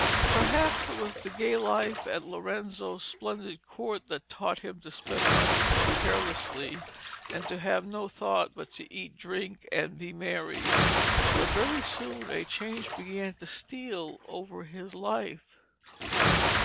Perhaps it was the gay life at Lorenzo's splendid court that had taught him to spend money so carelessly, and to have no thought but to eat, drink, and be merry. But very soon a change began to steal over his life.